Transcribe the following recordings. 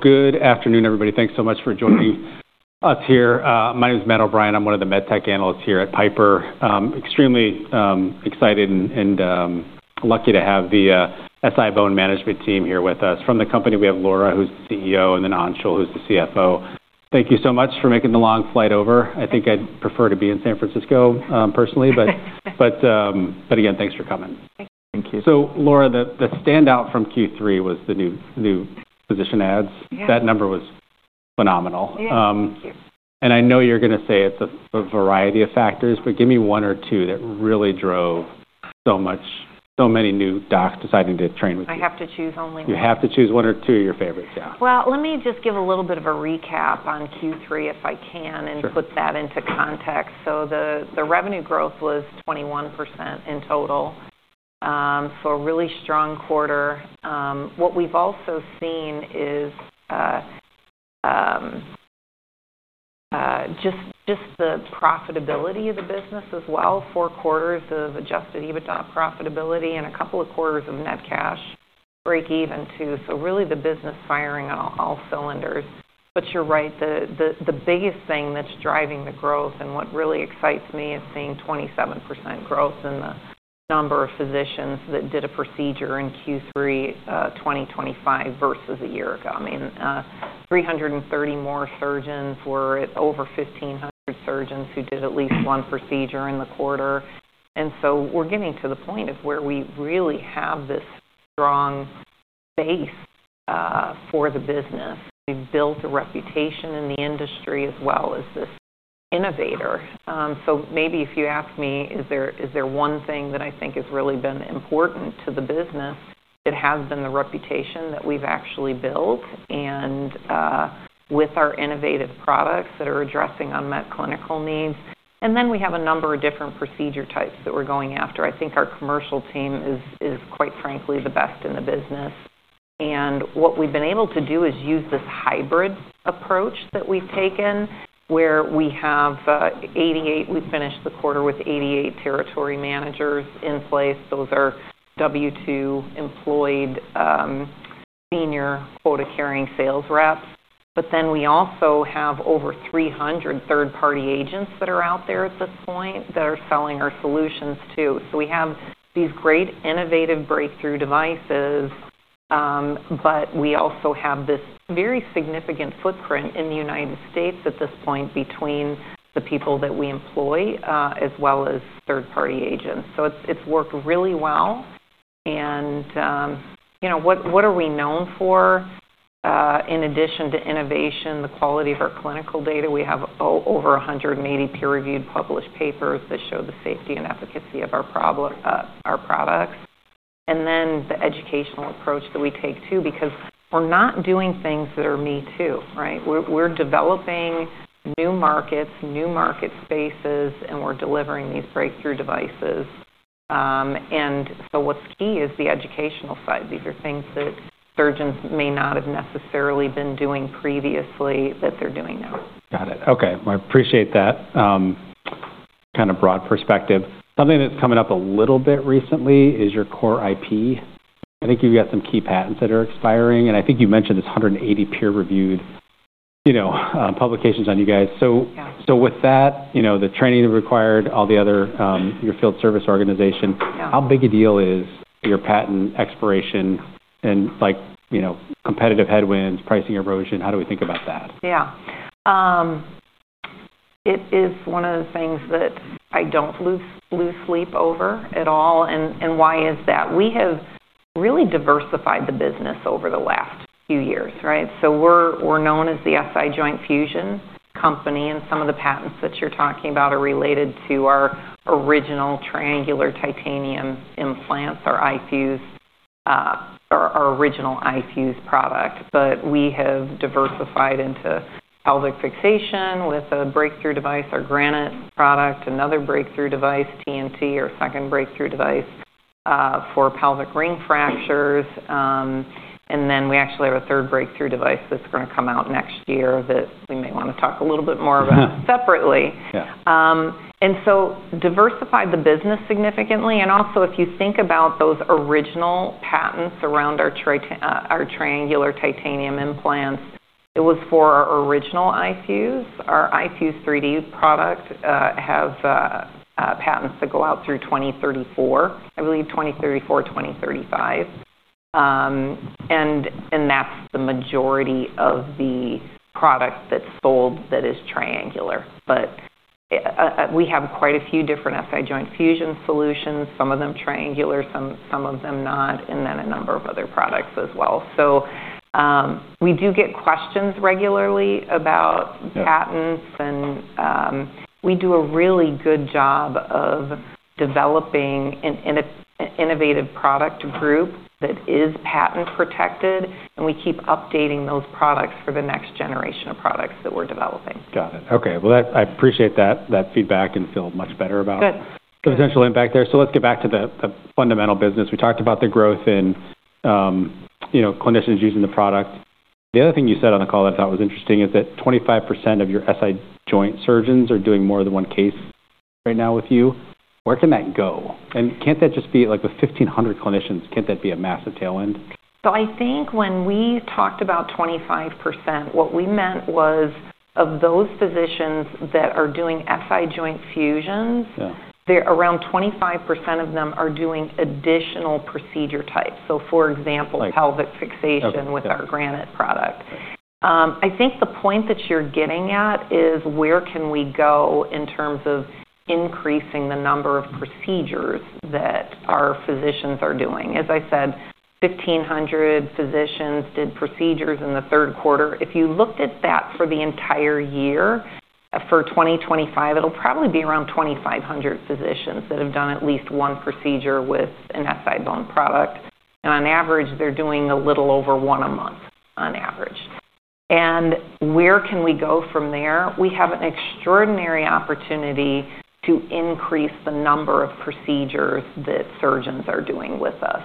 Good afternoon, everybody. Thanks so much for joining us here. My name's Matt O'Brien. I'm one of the med tech analysts here at Piper. Extremely excited and lucky to have the SI-BONE management team here with us. From the company, we have Laura, who's the CEO, and then Anshul, who's the CFO. Thank you so much for making the long flight over. I think I'd prefer to be in San Francisco, personally, but again, thanks for coming. Thank you. Laura, the standout from Q3 was the new, new position ads. Yeah. That number was phenomenal. Yeah. Thank you. I know you're gonna say it's a variety of factors, but give me one or two that really drove so many new docs deciding to train with you. I have to choose only one. You have to choose one or two of your favorites, yeah. Let me just give a little bit of a recap on Q3 if I can and put that into context. Sure. So the revenue growth was 21% in total, so a really strong quarter. What we've also seen is just the profitability of the business as well. Four quarters of adjusted EBITDA profitability and a couple of quarters of net cash break even too. So really the business firing on all cylinders. But you're right, the biggest thing that's driving the growth and what really excites me is seeing 27% growth in the number of physicians that did a procedure in Q3, 2025 versus a year ago. I mean, 330 more surgeons were at over 1,500 surgeons who did at least one procedure in the quarter. And so we're getting to the point of where we really have this strong base for the business. We've built a reputation in the industry as well as this innovator. Maybe if you ask me, is there one thing that I think has really been important to the business, it has been the reputation that we've actually built with our innovative products that are addressing unmet clinical needs. We have a number of different procedure types that we're going after. I think our commercial team is, quite frankly, the best in the business. What we've been able to do is use this hybrid approach that we've taken where we have 88, we finished the quarter with 88 territory managers in place. Those are W-2 employed, senior quota-carrying sales reps. We also have over 300 third-party agents that are out there at this point that are selling our solutions too. So we have these great innovative breakthrough devices, but we also have this very significant footprint in the United States at this point between the people that we employ, as well as third-party agents. So it's worked really well. And, you know, what are we known for, in addition to innovation, the quality of our clinical data? We have over 180 peer-reviewed published papers that show the safety and efficacy of our products. And then the educational approach that we take too because we're not doing things that are me-too, right? We're developing new markets, new market spaces, and we're delivering these breakthrough devices. And so what's key is the educational side. These are things that surgeons may not have necessarily been doing previously that they're doing now. Got it. Okay. Well, I appreciate that kind of broad perspective. Something that's coming up a little bit recently is your core IP. I think you've got some key patents that are expiring, and I think you mentioned this 180 peer-reviewed, you know, publications on you guys. So. Yeah. So, with that, you know, the training required, all the other, your field service organization. Yeah. How big a deal is your patent expiration and, like, you know, competitive headwinds, pricing erosion? How do we think about that? Yeah. It is one of the things that I don't lose sleep over at all. And why is that? We have really diversified the business over the last few years, right? So we're known as the SI Joint Fusion Company, and some of the patents that you're talking about are related to our original triangular titanium implants, our iFuse, our original iFuse product. But we have diversified into pelvic fixation with a breakthrough device, our Granite product, another breakthrough device, TNT, our second breakthrough device, for pelvic ring fractures. And then we actually have a third breakthrough device that's gonna come out next year that we may wanna talk a little bit more about separately. Yeah. And so diversified the business significantly. And also, if you think about those original patents around our triangular titanium implants, it was for our original iFuse. Our iFuse 3D product has patents that go out through 2034, I believe 2034, 2035. And that's the majority of the product that's sold that is triangular. But we have quite a few different SI joint fusion solutions, some of them triangular, some of them not, and then a number of other products as well. So we do get questions regularly about patents, and we do a really good job of developing an innovative product group that is patent protected, and we keep updating those products for the next generation of products that we're developing. Got it. Okay. Well, I appreciate that feedback and feel much better about the potential impact there. So let's get back to the fundamental business. We talked about the growth in, you know, clinicians using the product. The other thing you said on the call that I thought was interesting is that 25% of your SI joint surgeons are doing more than one case right now with you. Where can that go? And can't that just be, like, with 1,500 clinicians, can't that be a massive tail end? So I think when we talked about 25%, what we meant was of those physicians that are doing SI joint fusions. Yeah. They're around 25% of them are doing additional procedure types. So for example. Right. Pelvic fixation with our Granite product. Right. I think the point that you're getting at is where can we go in terms of increasing the number of procedures that our physicians are doing. As I said, 1,500 physicians did procedures in the third quarter. If you looked at that for the entire year, for 2025, it'll probably be around 2,500 physicians that have done at least one procedure with an SI-BONE product. And on average, they're doing a little over one a month on average. And where can we go from there? We have an extraordinary opportunity to increase the number of procedures that surgeons are doing with us.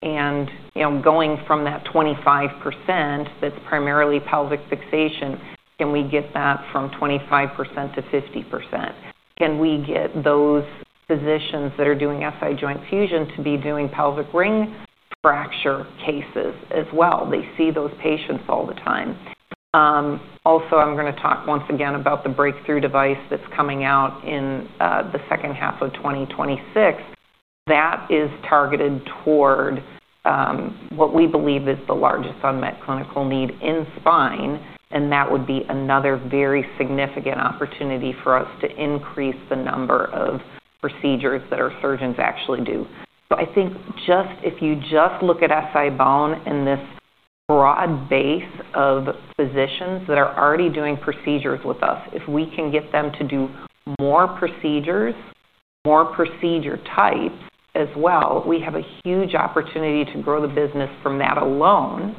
And, you know, going from that 25% that's primarily pelvic fixation, can we get that from 25% to 50%? Can we get those physicians that are doing SI joint fusion to be doing pelvic ring fracture cases as well? They see those patients all the time. also, I'm gonna talk once again about the breakthrough device that's coming out in, the second half of 2026. That is targeted toward, what we believe is the largest unmet clinical need in spine, and that would be another very significant opportunity for us to increase the number of procedures that our surgeons actually do. So I think just if you just look at SI-BONE and this broad base of physicians that are already doing procedures with us, if we can get them to do more procedures, more procedure types as well, we have a huge opportunity to grow the business from that alone.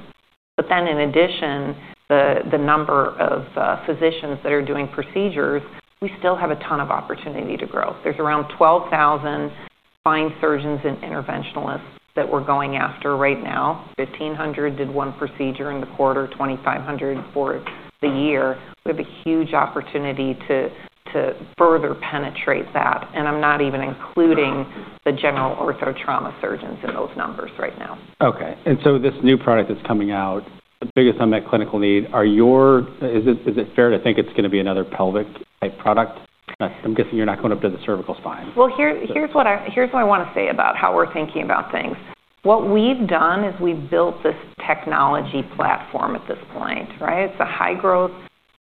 But then in addition, the, the number of, physicians that are doing procedures, we still have a ton of opportunity to grow. There's around 12,000 spine surgeons and interventionalists that we're going after right now. 1,500 did one procedure in the quarter, 2,500 for the year. We have a huge opportunity to, to further penetrate that. And I'm not even including the general ortho trauma surgeons in those numbers right now. Okay. And so this new product that's coming out, the biggest unmet clinical need, is it, is it fair to think it's gonna be another pelvic-type product? I'm guessing you're not going up to the cervical spine. Well, here's, here's what I here's what I wanna say about how we're thinking about things. What we've done is we've built this technology platform at this point, right? It's a high-growth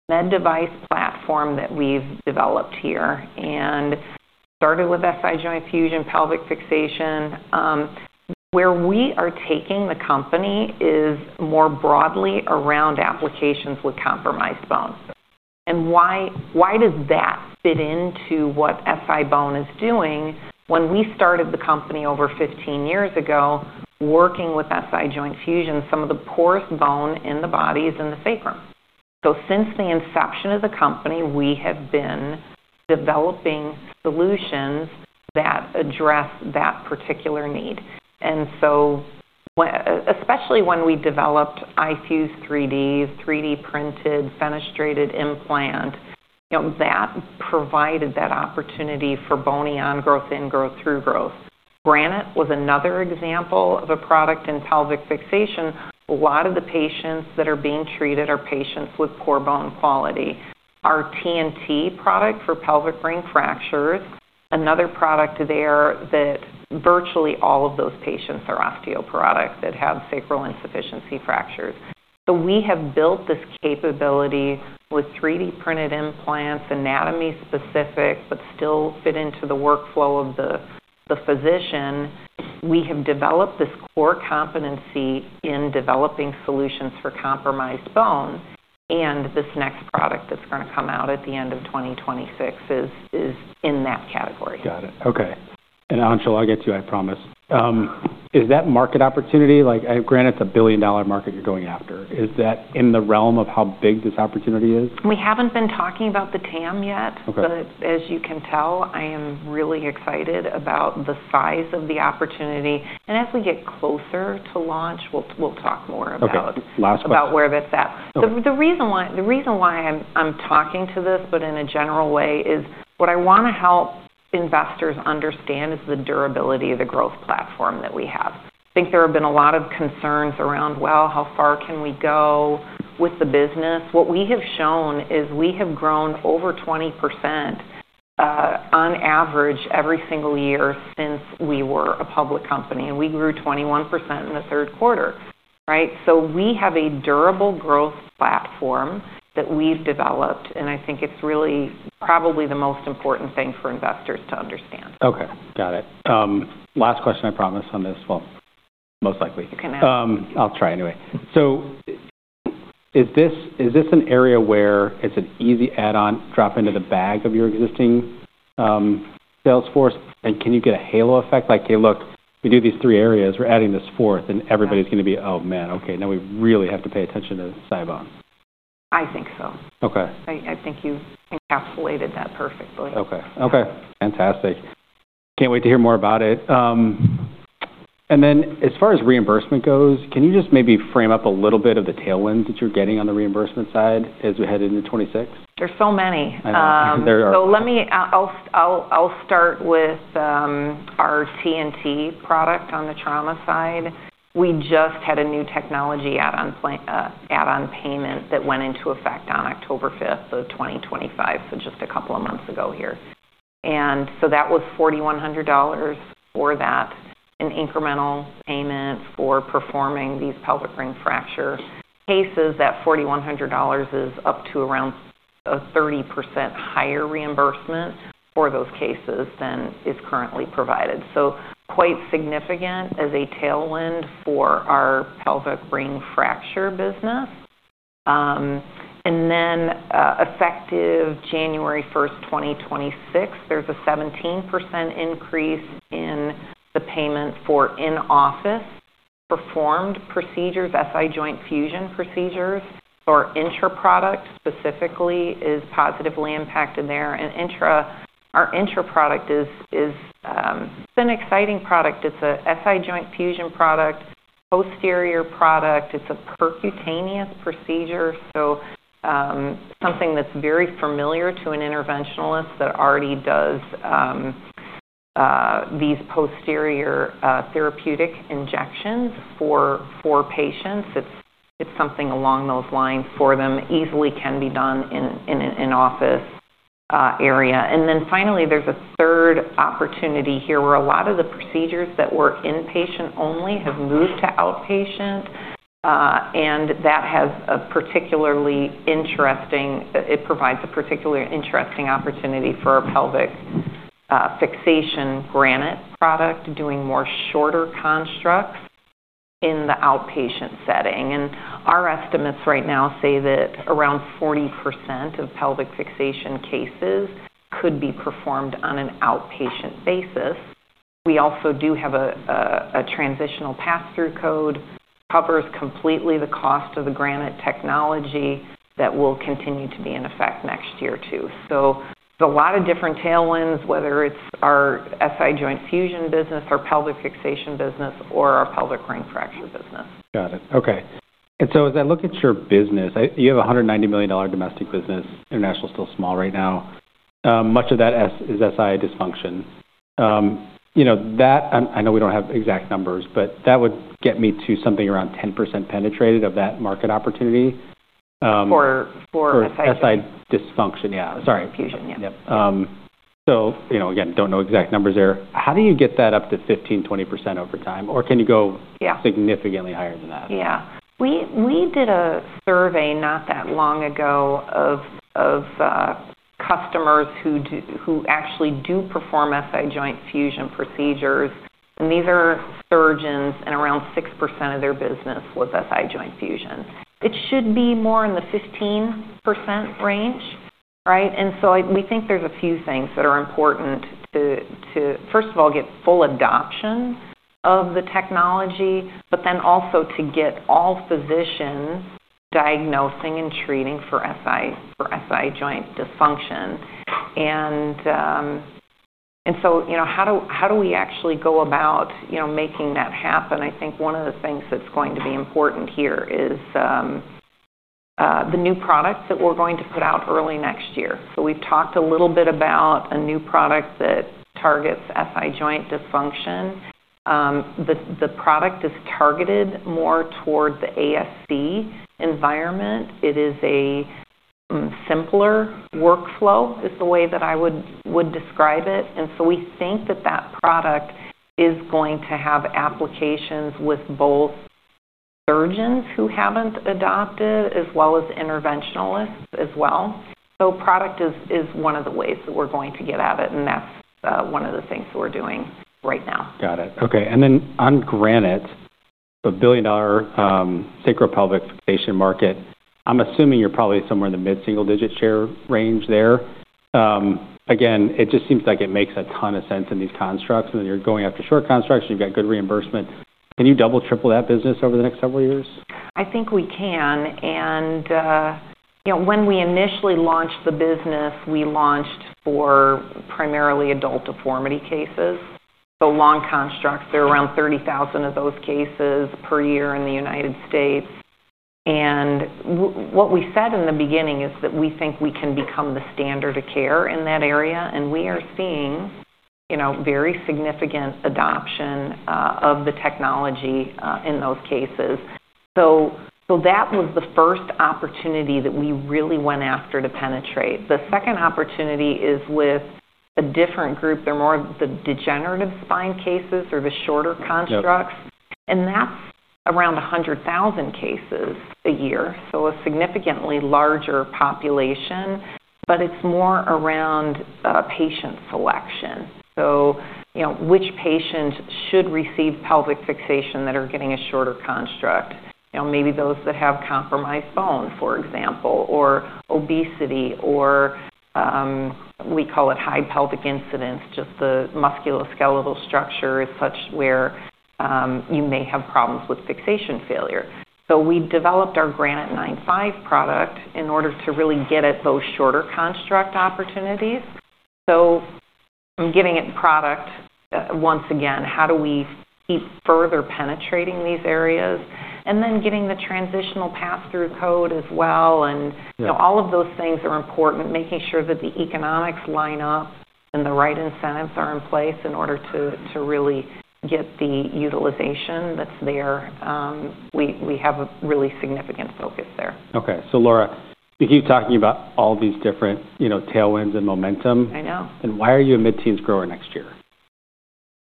med device platform that we've developed here and started with SI joint fusion pelvic fixation. where we are taking the company is more broadly around applications with compromised bone. And why, why does that fit into what SI-BONE is doing? When we started the company over 15 years ago, working with SI joint fusion, some of the poorest bone in the body is in the sacrum. So since the inception of the company, we have been developing solutions that address that particular need. And so when, especially when we developed iFuse 3D, 3D printed, fenestrated implant, you know, that provided that opportunity for bony on growth, in growth, through growth. Granite was another example of a product in pelvic fixation. A lot of the patients that are being treated are patients with poor bone quality. Our TNT product for pelvic ring fractures, another product there that virtually all of those patients are osteoporotic that have sacral insufficiency fractures. So we have built this capability with 3D printed implants, anatomy specific, but still fit into the workflow of the, the physician. We have developed this core competency in developing solutions for compromised bone. And this next product that's gonna come out at the end of 2026 is, is in that category. Got it. Okay. And Anshul, I'll get to you, I promise. is that market opportunity? Like, I have Granite's a billion-dollar market you're going after. Is that in the realm of how big this opportunity is? We haven't been talking about the TAM yet. Okay. But as you can tell, I am really excited about the size of the opportunity. And as we get closer to launch, we'll, we'll talk more about. Okay. Last question. About where that's at. Okay. The, the reason why the reason why I'm, I'm talking to this, but in a general way, is what I wanna help investors understand is the durability of the growth platform that we have. I think there have been a lot of concerns around, well, how far can we go with the business? What we have shown is we have grown over 20%, on average every single year since we were a public company. And we grew 21% in the third quarter, right? So we have a durable growth platform that we've developed, and I think it's really probably the most important thing for investors to understand. Okay. Got it. last question, I promise on this. Well, most likely. You can ask. I'll try anyway. So is this, is this an area where it's an easy add-on, drop into the bag of your existing, Salesforce? And can you get a halo effect? Like, hey, look, we do these three areas, we're adding this fourth, and everybody's gonna be, "Oh man, okay. Now we really have to pay attention to SI-BONE"? I think so. Okay. I, I think you encapsulated that perfectly. Okay. Okay. Fantastic. Can't wait to hear more about it. and then as far as reimbursement goes, can you just maybe frame up a little bit of the tail winds that you're getting on the reimbursement side as we head into 2026? There's so many. I know. There are. so let me, I'll, I'll, I'll start with, our TNT product on the trauma side. We just had a new technology add-on pla add-on payment that went into effect on October 5th of 2025, so just a couple of months ago here. And so that was $4,100 for that, an incremental payment for performing these pelvic ring fracture cases. That $4,100 is up to around a 30% higher reimbursement for those cases than is currently provided. So quite significant as a tail wind for our pelvic ring fracture business. and then, effective January 1st, 2026, there's a 17% increase in the payment for in-office performed procedures, SI joint fusion procedures. So our intra product specifically is positively impacted there. And intra, our intra product is, is, it's an exciting product. It's a SI joint fusion product, posterior product. It's a percutaneous procedure, so, something that's very familiar to an interventionalist that already does, these posterior, therapeutic injections for, for patients. It's, it's something along those lines for them. Easily can be done in, in an in-office, area. And then finally, there's a third opportunity here where a lot of the procedures that were inpatient only have moved to outpatient, and that has a particularly interesting it provides a particularly interesting opportunity for our pelvic, fixation Granite product, doing more shorter constructs in the outpatient setting. And our estimates right now say that around 40% of pelvic fixation cases could be performed on an outpatient basis. We also do have a, a, a transitional pass-through code that covers completely the cost of the Granite technology that will continue to be in effect next year too. So there's a lot of different tail winds, whether it's our SI joint fusion business, our pelvic fixation business, or our pelvic ring fracture business. Got it. Okay. And so as I look at your business, you have a $190 million domestic business. International's still small right now. much of that is SI dysfunction. you know, that I'm I know we don't have exact numbers, but that would get me to something around 10% penetrated of that market opportunity. For, for SI dysfunction. For SI dysfunction. Yeah. Sorry. Fusion. Yeah. Yep. so, you know, again, don't know exact numbers there. How do you get that up to 15%-20% over time? Or can you go. Yeah. Significantly higher than that? Yeah. We, we did a survey not that long ago of, of, customers who do who actually do perform SI joint fusion procedures. And these are surgeons, and around 6% of their business was SI joint fusion. It should be more in the 15% range, right? And so I, we think there's a few things that are important to, to first of all, get full adoption of the technology, but then also to get all physicians diagnosing and treating for SI for SI joint dysfunction. And, and so, you know, how do how do we actually go about, you know, making that happen? I think one of the things that's going to be important here is, the new products that we're going to put out early next year. So we've talked a little bit about a new product that targets SI joint dysfunction. the, the product is targeted more toward the ASC environment. It is a, simpler workflow is the way that I would, would describe it. And so we think that that product is going to have applications with both surgeons who haven't adopted as well as interventionalists as well. So product is, is one of the ways that we're going to get at it, and that's, one of the things that we're doing right now. Got it. Okay. And then on Granite, the billion-dollar, sacral pelvic fixation market, I'm assuming you're probably somewhere in the mid-single-digit share range there. again, it just seems like it makes a ton of sense in these constructs. And then you're going after short constructs, and you've got good reimbursement. Can you double, triple that business over the next several years? I think we can. And, you know, when we initially launched the business, we launched for primarily adult deformity cases. So long constructs, there are around 30,000 of those cases per year in the United States. And w-what we said in the beginning is that we think we can become the standard of care in that area. And we are seeing, you know, very significant adoption, of the technology, in those cases. So, so that was the first opportunity that we really went after to penetrate. The second opportunity is with a different group. They're more of the degenerative spine cases or the shorter constructs. Yeah. And that's around 100,000 cases a year. So a significantly larger population, but it's more around, patient selection. So, you know, which patients should receive pelvic fixation that are getting a shorter construct? You know, maybe those that have compromised bone, for example, or obesity or, we call it high pelvic incidence, just the musculoskeletal structure is such where, you may have problems with fixation failure. So we developed our Granite 95 product in order to really get at those shorter construct opportunities. So I'm giving it product, once again, how do we keep further penetrating these areas? And then getting the transitional pass-through code as well. And, you know, all of those things are important, making sure that the economics line up and the right incentives are in place in order to, to really get the utilization that's there. we, we have a really significant focus there. Okay. So, Laura, you keep talking about all these different, you know, tail winds and momentum. I know. And why are you a mid-teens grower next year?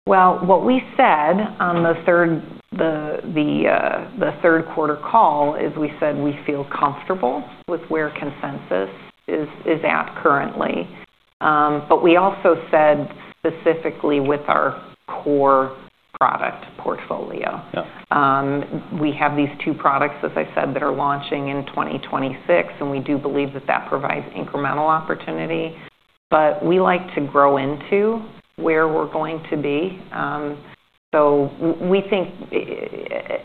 Well, what we said on the third, the, the, the third quarter call is we said we feel comfortable with where consensus is, is at currently. but we also said specifically with our core product portfolio. Yeah. we have these two products, as I said, that are launching in 2026, and we do believe that that provides incremental opportunity. But we like to grow into where we're going to be. so w-we think,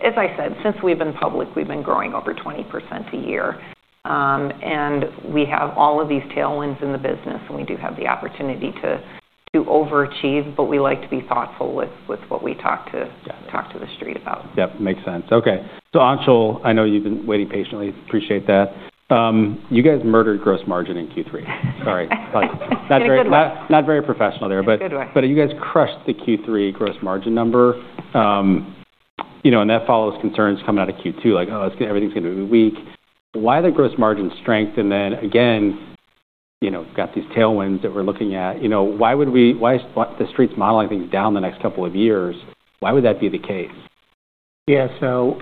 as I said, since we've been public, we've been growing over 20% a year. and we have all of these tail winds in the business, and we do have the opportunity to, to overachieve, but we like to be thoughtful with, with what we talk to. Got it. Talk to the street about. Yep. Makes sense. Okay. So Anshul, I know you've been waiting patiently. Appreciate that. you guys murdered gross margin in Q3. Sorry. Like, not very. Good luck. Not, not very professional there, but. Good luck. You guys crushed the Q3 gross margin number, you know, and that follows concerns coming out of Q2, like, "Oh, everything's gonna be weak." Why the gross margin strength? And then again, you know, got these tailwinds that we're looking at. You know, why would we, why is the street's modeling things down the next couple of years? Why would that be the case? Yeah. So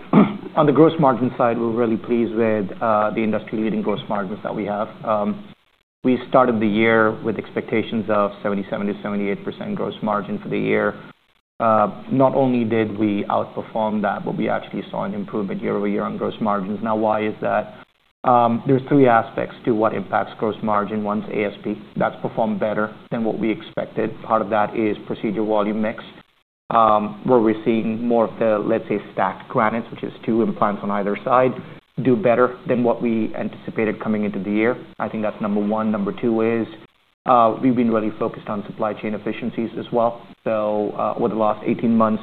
on the gross margin side, we're really pleased with, the industry-leading gross margins that we have. we started the year with expectations of 77%-78% gross margin for the year. not only did we outperform that, but we actually saw an improvement year-over-year on gross margins. Now, why is that? there's three aspects to what impacts gross margin. One's ASP. That's performed better than what we expected. Part of that is procedure volume mix, where we're seeing more of the, let's say, stacked Granites, which is two implants on either side, do better than what we anticipated coming into the year. I think that's number one. Number two is, we've been really focused on supply chain efficiencies as well. So, over the last 18 months,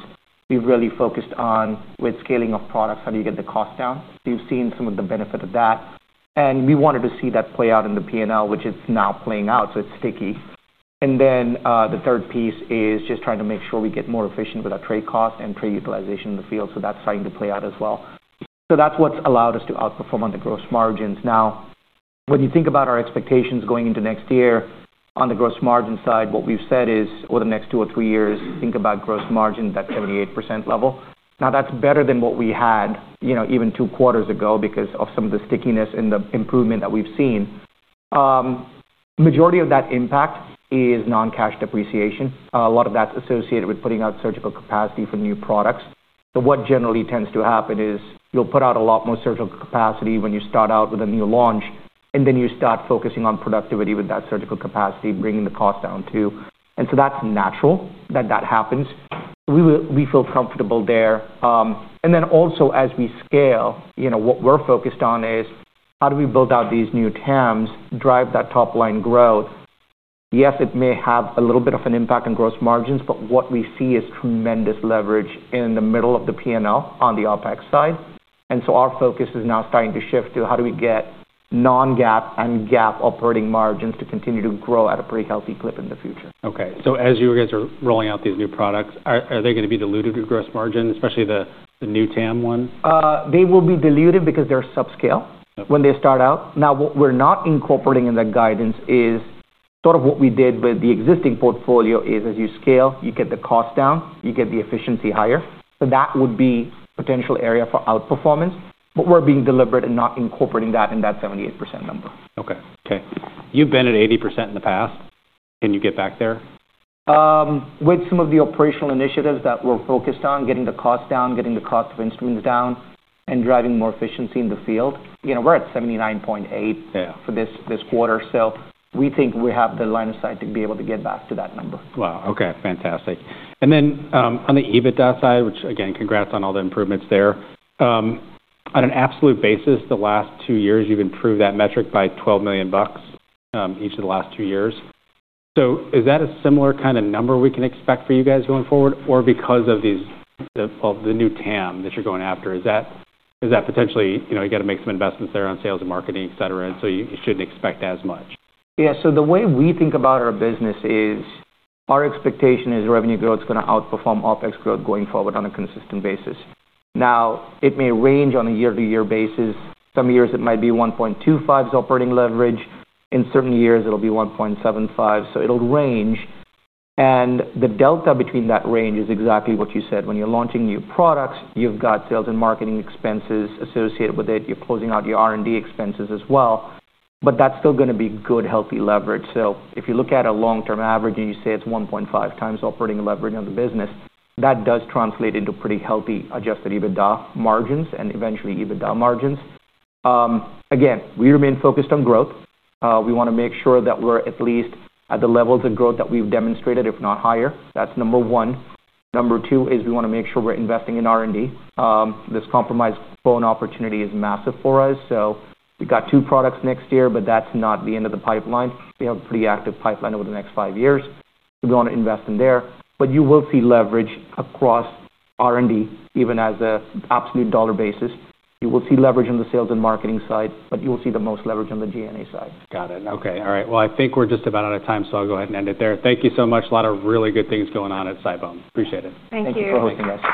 we've really focused on, with scaling of products, how do you get the cost down? You've seen some of the benefit of that. And we wanted to see that play out in the P&L, which it's now playing out, so it's sticky. And then, the third piece is just trying to make sure we get more efficient with our trade cost and trade utilization in the field. That's starting to play out as well. That's what's allowed us to outperform on the gross margins. Now, when you think about our expectations going into next year, on the gross margin side, what we've said is, over the next two or three years, think about gross margin at that 78% level. Now, that's better than what we had, you know, even two quarters ago because of some of the stickiness in the improvement that we've seen. Majority of that impact is non-cash depreciation. A lot of that's associated with putting out surgical capacity for new products. What generally tends to happen is you'll put out a lot more surgical capacity when you start out with a new launch, and then you start focusing on productivity with that surgical capacity, bringing the cost down too. That's natural that that happens. We will we feel comfortable there. Also, as we scale, you know, what we're focused on is how do we build out these new TAMs, drive that top-line growth. Yes, it may have a little bit of an impact on gross margins, but what we see is tremendous leverage in the middle of the P&L on the OpEx side. Our focus is now starting to shift to how do we get non-GAAP and GAAP operating margins to continue to grow at a pretty healthy clip in the future. As you guys are rolling out these new products, are they gonna be dilutive to gross margin, especially the new trauma ones? they will be diluted because they're subscale. Okay. When they start out. Now, what we're not incorporating in that guidance is sort of what we did with the existing portfolio is, as you scale, you get the cost down, you get the efficiency higher. So that would be a potential area for outperformance. But we're being deliberate in not incorporating that in that 78% number. Okay. Okay. You've been at 80% in the past. Can you get back there? with some of the operational initiatives that we're focused on, getting the cost down, getting the cost of instruments down, and driving more efficiency in the field. You know, we're at 79.8%. Yeah. For this quarter. We think we have the line of sight to be able to get back to that number. Wow. Okay. Fantastic. And then, on the EBITDA side, which, again, congrats on all the improvements there, on an absolute basis, the last two years, you've improved that metric by $12 million, each of the last two years. So is that a similar kind of number we can expect for you guys going forward? Or because of these, well, the new TAM that you're going after, is that is that potentially, you know, you gotta make some investments there on sales and marketing, etc., and so you, you shouldn't expect as much? Yeah. So the way we think about our business is our expectation is revenue growth's gonna outperform OpEx growth going forward on a consistent basis. Now, it may range on a year-to-year basis. Some years, it might be 1.25's operating leverage. In certain years, it'll be 1.75. So it'll range. And the delta between that range is exactly what you said. When you're launching new products, you've got sales and marketing expenses associated with it. You're closing out your R&D expenses as well. But that's still gonna be good, healthy leverage. So if you look at a long-term average and you say it's 1.5 times operating leverage on the business, that does translate into pretty healthy adjusted EBITDA margins and eventually EBITDA margins. again, we remain focused on growth. we wanna make sure that we're at least at the levels of growth that we've demonstrated, if not higher. That's number one. Number two is we wanna make sure we're investing in R&D. this compromised bone opportunity is massive for us. So we got two products next year, but that's not the end of the pipeline. We have a pretty active pipeline over the next five years. So we wanna invest in there. But you will see leverage across R&D, even as a absolute dollar basis. You will see leverage on the sales and marketing side, but you'll see the most leverage on the G&A side. Got it. Okay. All right. Well, I think we're just about out of time, so I'll go ahead and end it there. Thank you so much. A lot of really good things going on at SI-BONE. Appreciate it. Thank you. Thanks for hosting us.